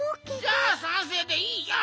じゃあさんせいでいいじゃん！